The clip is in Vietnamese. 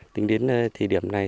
tính đến thời điểm này